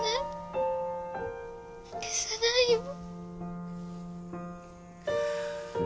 消せないよ。